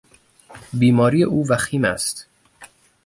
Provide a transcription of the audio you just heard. بیماری او وخیم است.